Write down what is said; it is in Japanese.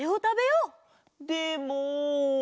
でも。